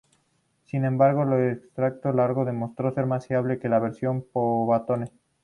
Sin embargo, el extractor largo demostró ser más fiable que la versión pivotante.